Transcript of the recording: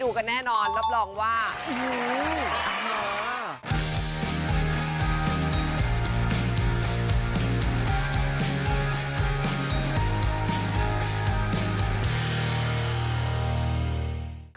ดูหน้าของเบิด